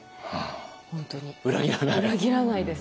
本当に裏切らないです。